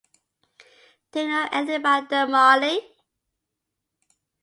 Do you know anything about them, Molly?